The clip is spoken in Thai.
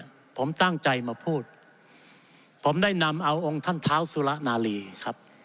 ในวันนี้เนี่ยผมตั้งใจมาพูดผมได้นำเอาองค์ท่านท้าวสุระนาลีครับ